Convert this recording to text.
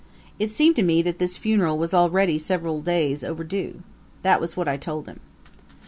It seemed to me that this funeral was already several days overdue. That was what I told him.